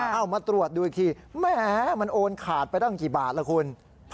เอามาตรวจดูอีกทีแหมมันโอนขาดไปตั้งกี่บาทล่ะคุณ